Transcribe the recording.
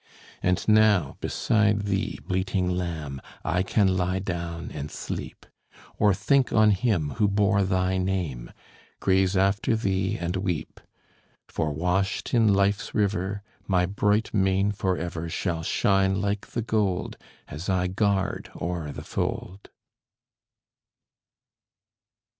"And now beside thee, bleating lamb, I can lie down and sleep, Or think on Him who bore thy name, Graze after thee and weep. For washed in life's river, My bright mane forever Shall shine like the gold, As I guard o'er the fold."